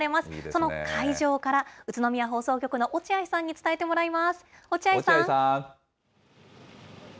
その会場から、宇都宮放送局の落合さんに伝えてもらいます。